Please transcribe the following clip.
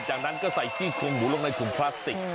จากนั้นก็ใส่ซี่โครงหมูลงในถุงพลาสติก